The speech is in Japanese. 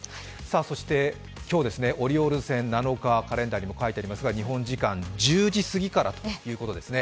そして今日、オリオールズ戦７日、カレンダーにも書いてありますが日本時間１０時すぎからということですね。